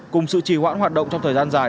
cùng sự trì hoãn hoạt động trong thời gian dài